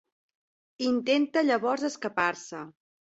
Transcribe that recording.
Intenta llavors escapar-se.